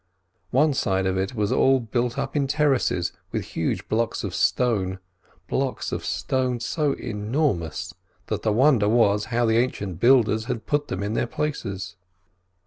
One side of it was all built up in terraces with huge blocks of stone. Blocks of stone so enormous, that the wonder was how the ancient builders had put them in their places.